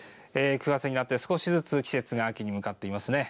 ９月になって、少しずつ季節が秋に向かっていますね。